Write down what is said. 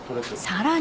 ［さらに］